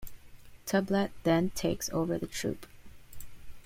Tublat then takes over the troop.